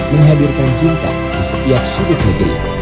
menghadirkan cinta di setiap sudut negeri